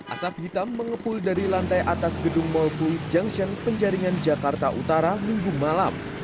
asap hitam mengepul dari lantai atas gedung mall fully junction penjaringan jakarta utara minggu malam